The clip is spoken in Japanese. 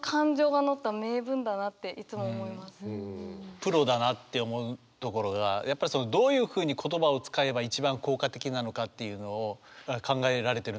プロだなって思うところがやっぱりどういうふうに言葉を使えば一番効果的なのかっていうのを考えられてるなというやっぱ「刺す」